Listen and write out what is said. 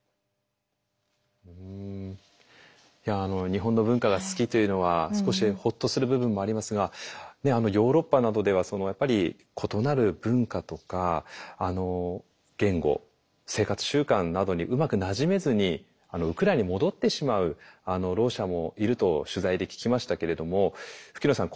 日本の文化が好きというのは少しほっとする部分もありますがヨーロッパなどではやっぱり異なる文化とか言語生活習慣などにうまくなじめずにウクライナに戻ってしまうろう者もいると取材で聞きましたけれども吹野さん